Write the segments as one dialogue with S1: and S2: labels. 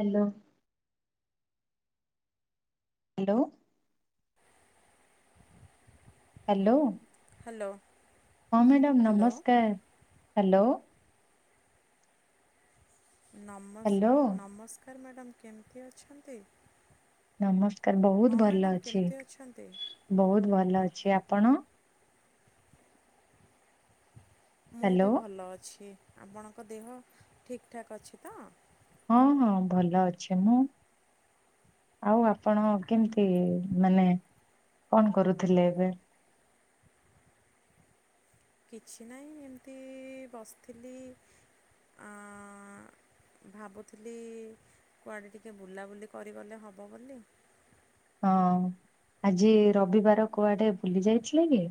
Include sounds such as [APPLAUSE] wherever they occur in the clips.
S1: Hello. Hello.
S2: [INAUDIBLE]
S1: Hello.
S2: Hello.
S1: ହଁ madam ନମସ୍କାର hello.
S2: ନମସ୍
S1: ହ୍ୟାଲୋ
S2: ନମସ୍କାର ମ୍ୟାଡାମ୍ କେମିତି ଅଛନ୍ତି?
S1: ନମସ୍କାର
S2: ହଁ
S1: ବହୁତ ଭଲ
S2: ମ୍ୟାଡ଼ାମ୍
S1: ଅଛି,
S2: କେମିତି ଅଛନ୍ତି?
S1: ବହୁତ ଭଲ ଅଛି ଆପଣ?
S2: ମୁଁ
S1: ହ୍ୟାଲୋ
S2: ବି ଭଲ ଅଛି, ଆପଣଙ୍କ ଦେହ ଠିକ୍ ଠାକ୍ ଅଛି ତ?
S1: ହଁ ହଁ ଭଲ ଅଛି ମୁଁ। ଆଉ ଆପଣ କେମିତି ମାନେ କଣ କରୁଥିଲେ ଏବେ।
S2: କିଛି ନାହିଁ ଏମିତି ବସିଥିଲି। ଆଁ ଭାବୁଥିଲି କୁଆଡ଼େ ଟିକେ ବୁଲାବୁଲି କରିଗଲେ ହବ ବୋଲି।
S1: ହଁ ଆଜି ରବିବାର କୁଆଡେ ବୁଲି ଯାଇଥିଲ କି?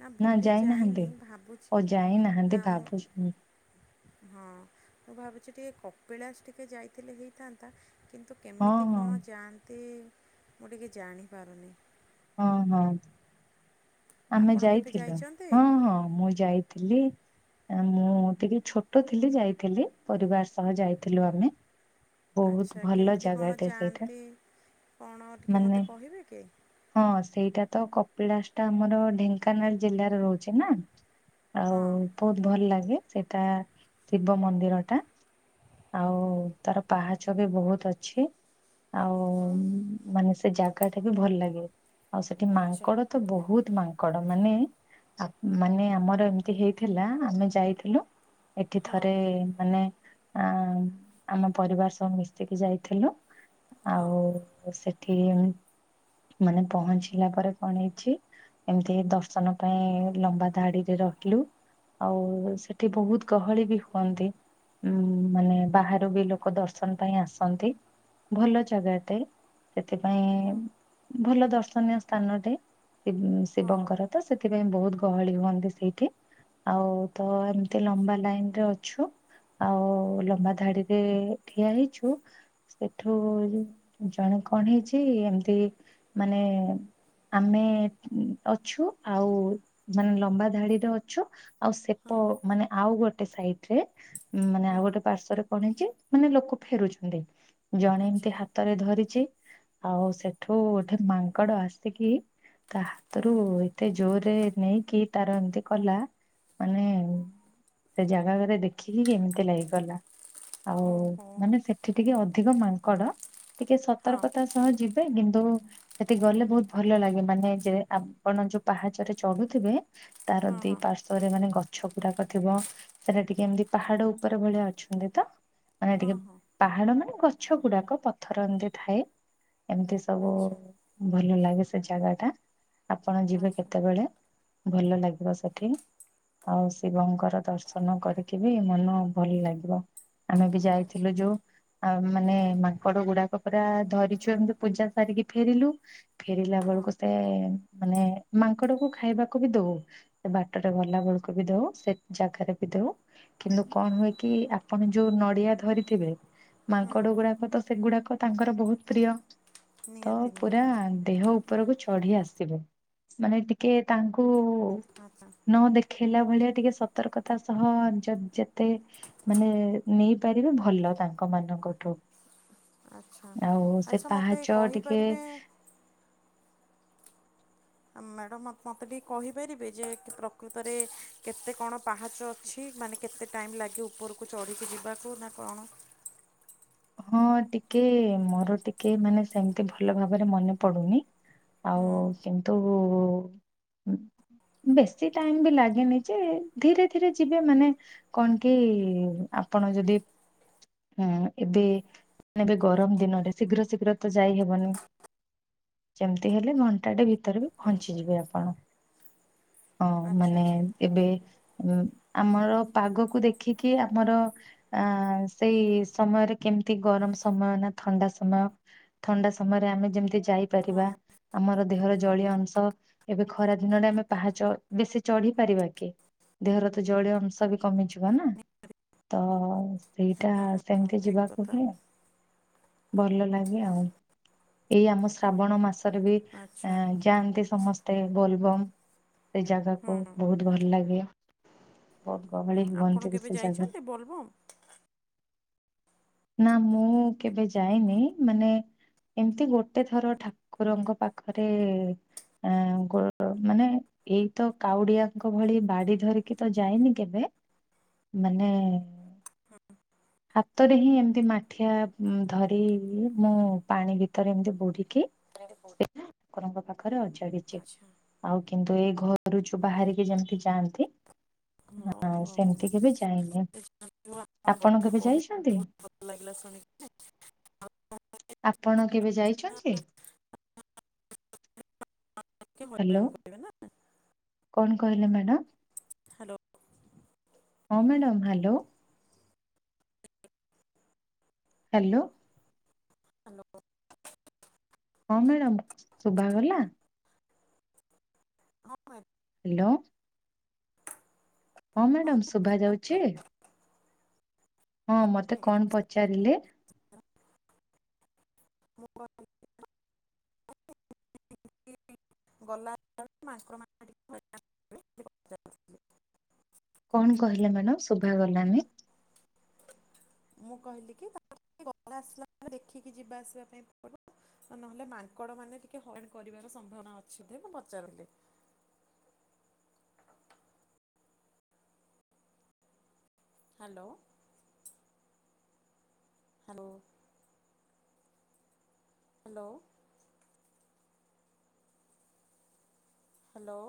S2: ନା ବୁଲି ଯାଇନି
S1: ଓ
S2: ଭାବୁଛି
S1: ଯାଇନାହାନ୍ତି
S2: ନା ମୁଁ
S1: ଭାବୁଛୁ
S2: ହଁ ମୁଁ ଭାବୁଛି ଟିକେ କପିଳାସ ଟିକେ ଯାଇଥିଲେ ହେଇଥାନ୍ତା। କିନ୍ତୁ
S1: ହଁ
S2: କେମିତି
S1: ହଁ
S2: କଣ ଯାଆନ୍ତି ମୁଁ ଟିକିଏ ଜାଣିପାରୁନି।
S1: ହଁ ହଁ। ଆମେ
S2: ଆପଣ କେବେ
S1: ଯାଇଥିଲୁ
S2: ଯାଇଛନ୍ତି
S1: ହଁ ହଁ ମୁଁ ଯାଇଥିଲି। ଆ ମୁଁ ଟିକେ ଛୋଟ ଥିଲି ଯାଇଥିଲି ପରିବାର ସହ ଯାଇଥିଲୁ ଆମେ। ବହୁତ
S2: ଆଚ୍ଛା
S1: ଭଲ
S2: କେମିତି କଣ
S1: ଜାଗାଟେ ସେଇଟା
S2: ଯାଆନ୍ତି କଣ ଟିକିଏ
S1: ମାନେ
S2: ମୋତେ କହିବେ କି?
S1: ହଁ ସେଇଟା ତ କପିଳାସଟା ଆମର ଢେଙ୍କାନାଳ ଜିଲ୍ଲାରେ ରହୁଛି ନା। ଆଉ
S2: ହଁ
S1: ବହୁତ ଭଲ ଲାଗେ ସେଟା ଶିବ ମନ୍ଦିରଟା। ଆଉ ତାର ପାହାଚ ବି ବହୁତ ଅଛି। ଆଉ
S2: ହଁ
S1: ମାନେ ସେ ଜାଗା ଟା ବି ଭଲ ଲାଗେ, ଆଉ ସେଠି
S2: ଆଚ୍ଛା
S1: ମାଙ୍କଡ ତ ବହୁତ ମାଙ୍କଡ ମାନେ ଆ ମାନେ ଆମର ଏମିତି ହେଇଥିଲା ଆମେ ଯାଇଥିଲୁ। ଏଠି
S2: ହଁ
S1: ଥରେ ମାନେ ଆ ଆମ ପରିବାର ସବୁ ମିଶିକି ଯାଇଥିଲୁ।
S2: ହଁ।
S1: ଓ ସେଠି ମାନେ ପହଞ୍ଚିଲା ପରେ କଣ ହେଇ ଚି ଏମିତି ଦର୍ଶନ ପାଇଁ ଲମ୍ବା ଧାଡିରେ ରକିଲି। ଆଉ ସେଠି ବହୁତ ଗହଳି ବି ହୁଅନ୍ତି। ଉଁ ମାନେ ବାହାରୁ ବି ଲୋକ ଦର୍ଶନ ପାଇଁ ଆସନ୍ତି। ଭଲ ଜାଗାଟେ ସେଥିପାଇଁ
S2: ହଁ।
S1: ଭଲ ଦର୍ଶନୀୟ ସ୍ଥାନଟେ
S2: ହଁ
S1: ଶିବଙ୍କର। ତ ସେଥିପାଇଁ ବୋହୁତ ଗହଳି ହୁଅନ୍ତି ସେଇଠି। ଆଉ ତ ଏମତି ଲମ୍ବା ଲାଇନ ରେ ଅଛୁ। ଆଉ ଲମ୍ବା ଧାଡିରେ ଠିଆ ହେଇଛୁ। ଏଠୁ ଜଣେ କଣ ହେଇଛି ଏମତି ମାନେ ଆମେ ଅଛୁ ଆଉ ମାନେ ଲମ୍ବା ଧାଡିରେ ଅଛୁ। ଆଉ ସେପ
S2: ହଁ
S1: ମାନେ ଆଉ ଗୋଟେ ସାଇଡ ରେ ମାନେ ଆଉ
S2: ହଁ
S1: ଗୋଟେ ପାର୍ଶ୍ଵରେ କଣେ ଇଛି ମାନେ ଲୋକ ଫେରୁଛନ୍ତି ଜଣେ ଏମିତି
S2: ଆଚ୍ଛା
S1: ହାତ ହାତରେ ଧରିଛି ଆଉ ସେଠୁ ଗୋଟେ ମାଙ୍କଡ ଆସିକି ତା ହାତରୁ
S2: ହୁଁ
S1: ଏତେ ଜୋରରେ ନେଇକି ତାର ଏମିତି କଲା ମାନେ ସେ ଜାଗାରେ ଦେଖିକି କେମିତି ଲାଗିଗଲା। ଆଉ
S2: ଓହୋ
S1: ମାନେ ସେଠି ଟିକେ ଅଧିକ ମାଙ୍କଡ ଟିକେ
S2: ହଁ
S1: ସତର୍କତା ଶ୍। ସହ ଯିବେ କିନ୍ତୁ ସେଠି ଗଲେ ବୋହୁତ ଭଲ ଲାଗେ ମାନେ ଯେ ଆପଣ ଯୋଉ ପାହାଚରେ ଚଢୁଥିବେ। ତାର
S2: ହଁ
S1: ଦି
S2: ହଁ
S1: ପାର୍ଶ୍ଵରେ ମାନେ ଗଛ ଗୁଡାକ ଥିବ। ସେଟା ଟିକେ ଏମିତି ପାହାଡ ଉପରେ ଭଳିଆ ଅଛନ୍ତି ତ! ମାନେ
S2: ହଁ
S1: ଟିକେ
S2: ହଁ
S1: ପାହାଡ ମାନେ ଗଛ ଗୁଡାକ ପଥର ଏମିତି ଥାଏ। ଏମିତି ସବୁ
S2: ଆଚ୍ଛା
S1: ଭଲ ଲାଗେ ସେ ଜାଗା ଟା। ଆପଣ ଯିବେ
S2: ଆଚ୍ଛା
S1: କେତେବେଳେ ଭଲ ଲାଗିବ ସେଠି। ଆଉ ଶିବଙ୍କର ଦର୍ଶନ କରିକି ବି ମନ ଭଲ ଲାଗିବ। ଆମେ ବି
S2: ଆଚ୍ଛା
S1: ଯାଇଥିଲୁ ଯୋଉ ଆଉ ମାନେ ମାଙ୍କଡ ଗୁଡାକ ପୁରା ଧରିଛୁ ଏମିତି ପୂଜା ସାରିକି ଫେରିଲୁ। ଫେରିଲା
S2: ହଁ
S1: ବେଳକୁ ସେ ମାନେ ମାଙ୍କଡ କୁ ଖାଇବାକୁ ବି ଦଉ। ସେ ବାଟରେ ଗଲା ବେଳକୁ ବି ଦଉ ସେ ଜାଗାରେ ବି ଦଉ। କିନ୍ତୁ କଣ ହୁଏ କି ଆପଣ ଯୋଉ ନଡିଆ ଧରିଥିବେ। ମାଙ୍କଡ
S2: ହୁଁ
S1: ଗୁଡାକ ତ ସେଗୁଡାକ ତାଙ୍କର ବୋହୁତ ପ୍ରିୟ ତ
S2: ନିହାତି
S1: ପୁରା।
S2: ନିହାତି
S1: ଦେହ ଉପରକୁ ଚଢି ଆସିବ ମାନେ ଟିକେ ତାଙ୍କୁ
S2: ଆଚ୍ଛା
S1: ନ ଦେଖ ଖେଲା ଭଳିଆ ଟିକେ ସତର୍କତା ସହ ଯେ ଯେତେ ମାନେ ନେଇପାରିବେ ଭଲ ତାଙ୍କ ମାନଙ୍କଠୁ
S2: ଆଚ୍ଛା
S1: ଆଉ ସେ
S2: ଆଚ୍ଛା ମୋତେ
S1: ପାହାଚ ଟିକେ
S2: କହିପାରିବେ ମ୍ୟାଡ଼ମ୍ ମୋତେ ଟିକିେ କହିପାରିବେ ଯେ ପ୍ରକୃତରେ କେତେ କଣ ପାହାଚ? ଅଛି ମାନେ କେତେ ଟାଇମ୍ ଲାଗେ ଉପରକୁ ଚଢ଼ିକି ଯିବାକୁ ନା କଣ?
S1: ହଁ ଟିକେ ମୋର ଟିକେ ମାନେ ସେମିତି ଭଲ ଭାବରେ ମନେ ପଡୁନି। ଆଉ
S2: ହୁଁ
S1: କିନ୍ତୁ ବେଶୀ ଟାଇମ ବି ଲାଗେନି ଯେ ଧୀରେ ଧୀରେ ଯିବେ ମାନେ କଣ କି ଆପଣ ଯଦି ହୁଁ ଏବେ ନେବେ ଗରମ ଦିନରେ ଶୀଘ୍ର ଶୀଘ୍ର ତ ଯାଇ ହେବନି। ଯେମିତି ହେଲେ ଘଣ୍ଟାଟେ ଭିତରେ ବି ପହଞ୍ଚିଯିବେ ଆପଣ ହଁ
S2: ଆଚ୍ଛା
S1: ମାନେ
S2: ଆଚ୍ଛା
S1: ଏବେ ଆମର ପାଗକୁ ଦେଖିକି ଆମର ଆ ସେଇ ସମୟରେ କେମିତି ଗରମ ସମୟ ନା ଥଣ୍ଡା ସମୟ ଥଣ୍ଡା ସମୟରେ ଆମେ ଯେମିତି
S2: ହଁ ହଁ
S1: ଯାଇପାରିବା। ଆମର ଦେହର ଜଳୀୟ ଅଂଶ ଏବେ ଖରା ଦିନଟେ ଆମେ ପାହାଚ ବେଶୀ ଚଢି ପାରିବା କି? ଦେହର ତ ଜଳୀୟ ଅଂଶ ବି କମିଯିବ ନା ତ ସେଇଟା।
S2: ହୁଁ ହୁଁ ହୁଁ
S1: ସେମିତି
S2: ଠିକ୍
S1: ଯିବାକୁ
S2: କଥା
S1: ହୁଏ। ଭଲ ଲାଗେ ଆଉ ଏଇ ଆମ ଶ୍ରାବଣ ମାସ ବି
S2: ଆଚ୍ଛା
S1: ଯାଆନ୍ତି ସମସ୍ତେ ବୋଲବମ୍ ସେ
S2: ହୁଁ
S1: ଜାଗାକୁ
S2: ହୁଁ
S1: ବୋହୁତ ଭଲ ଲାଗେ ବୋହୁତ
S2: ହୁଁ
S1: ଗହଳି
S2: ଆପଣ
S1: ହୁଅନ୍ତି ବି
S2: କେବେ
S1: ସେ ଜାଗା
S2: ଯାଇଛନ୍ତି ବୋଲବମ୍।
S1: ନା ମୁଁ କେବେ ଯାଇନି ମାନେ ଏମତି ଗୋଟେ ଥର ଠାକୁରଙ୍କ ପାଖରେ ଆ [UNINTELLIGIBLE] ମାନେ ଏଇ ତ କାଉଡିଆଙ୍କ ଭଳି ବାଡି ଧରିକି ତ ଯାଇନି କେବେ ମାନେ ହାତ ରେ ହିଁ ଏମତି ମାଠିଆ ଧରି ମୁଁ ପାଣି ଭିତରେ ଏମିତି ବୁଡିକି ସେ ଠାକୁରଙ୍କ ପାଖରେ ଅଜାଡିଛି।
S2: ଆଚ୍ଛା
S1: ଆଉ କିନ୍ତୁ ଏଇ ଘରୁ ଯୋଉ ବାହାରିକି ଯେମିତି ଯାଆନ୍ତି ହଁ ସେମିତି କେବେ ଯାଇନି। ଆପଣ
S2: ବଢ଼ିଆ
S1: କେବେ
S2: କହିଲେ
S1: ଯାଇଛନ୍ତି?
S2: ବହୁତ ଭଲ ଲାଗିଲା ଶୁଣିକି
S1: ଆପଣ କେବେ ଯାଇଛନ୍ତି?
S2: ଟିକେ
S1: ହ୍ୟାଲୋ।
S2: ହଇରାଣ କରିବେ ନା
S1: କଣ କହିଲେ ମ୍ୟାଡ଼ାାମ?
S2: ହ୍ୟାଲୋ।
S1: ହଁ ମ୍ୟାଡ଼ାମ ହ୍ୟାଲୋ। ହ୍ୟାଲୋ।
S2: ହ୍ୟାଲୋ
S1: ହଁ ମ୍ୟାଡ଼ାମ। ଶୁଭା ଗଲା?
S2: ହଁ ମ୍ୟାଡ଼ାମ୍
S1: ହ୍ୟାଲୋ। ହଁ ମ୍ୟାଡାମ ଶୁଭା ଯାଉଛି? ହଁ ମତେ କଣ
S2: ଶୁଭା
S1: ପଚାରିଲେ?
S2: [UNINTELLIGIBLE] ଗଲା [UNINTELLIGIBLE] କରିବେ।
S1: କଣ କହିଲେ ମ୍ୟାଡାମ ଶୁଭା ଗଲାନି?
S2: ମୁଁ କହିଲି କି [UNINTELLIGIBLE] ଦେଖିକି ଯିବା ଆସିବା ପାଇଁ ପଡ଼ିବ ନହେଲେ ମାଙ୍କଡ ମାନେ ଟିକେ ହଇଣ କରିବାର ସମ୍ଭାବନା ଅଛି ସେଧି ମୁଁ ପଚାରିଲି। ହ୍ୟାଲୋ। ହ୍ୟାଲୋ। ହ୍ୟାଲୋ। ହ୍ୟାଲୋ।